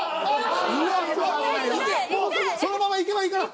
そのままいけばいいから！